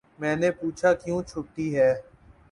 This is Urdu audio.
میں نے پوچھا کیوں چھٹی ہے